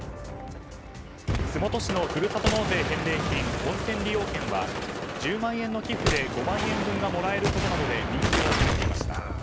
洲本市のふるさと納税返礼品温泉利用券は１０万円の寄付で５万円分がもらえることなどで人気を集めていました。